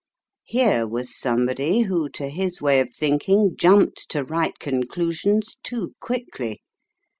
Here was somebody who, to his way of thinking, jumped to right conclusions too quickly.